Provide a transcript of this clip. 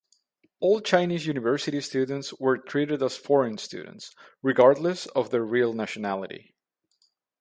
"All" Chinese university students were treated as foreign students, regardless of their real nationality.